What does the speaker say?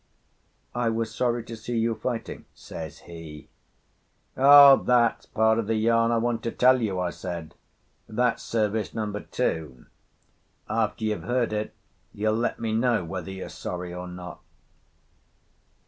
"I was sorry to see you fighting," says he. "O, that's part of the yarn I want to tell you," I said. "That's service number two. After you've heard it you'll let me know whether you're sorry or not."